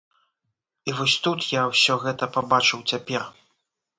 І вось тут я ўсё гэта пабачыў цяпер.